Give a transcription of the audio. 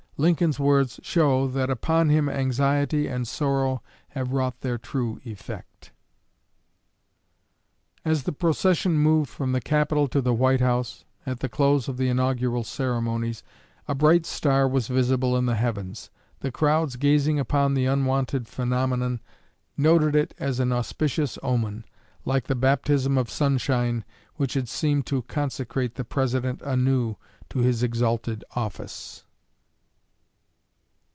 Lincoln's words show that upon him anxiety and sorrow have wrought their true effect." As the procession moved from the Capitol to the White House, at the close of the inaugural ceremonies, a bright star was visible in the heavens. The crowds gazing upon the unwonted phenomenon noted it as an auspicious omen, like the baptism of sunshine which had seemed to consecrate the President anew to his exalted office.